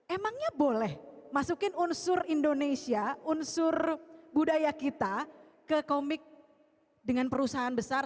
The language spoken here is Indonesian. emangnya boleh masukin unsur indonesia unsur budaya kita ke komik dengan perusahaan besar